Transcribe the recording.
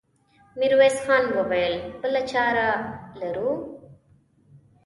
ميرويس خان وويل: بله چاره لرو؟